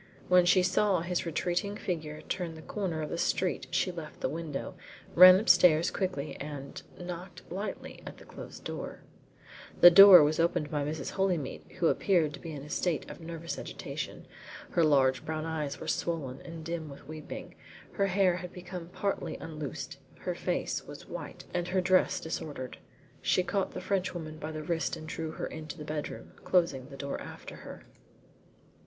When she saw his retreating figure turn the corner of the street she left the window, ran upstairs quickly, and knocked lightly at the closed door. The door was opened by Mrs. Holymead, who appeared to be in a state of nervous agitation. Her large brown eyes were swollen and dim with weeping, her hair had become partly unloosened, her face was white and her dress disordered. She caught the Frenchwoman by the wrist and drew her into the bedroom, closing the door after her.